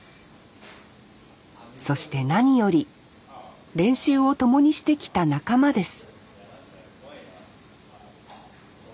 そして何より練習を共にしてきた仲間です